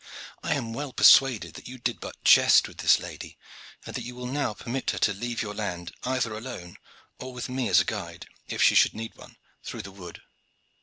I am well persuaded that you did but jest with this lady, and that you will now permit her to leave your land either alone or with me as a guide, if she should need one, through the wood.